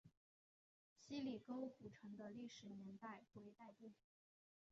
希里沟古城的历史年代为待定。